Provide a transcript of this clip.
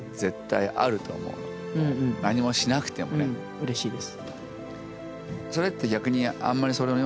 うれしいです。